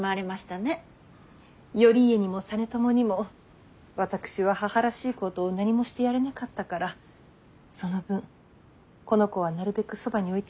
頼家にも実朝にも私は母らしいことを何もしてやれなかったからその分この子はなるべくそばに置いてやりたいの。